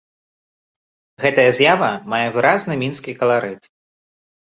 Гэтая з'ява мае выразны мінскі каларыт.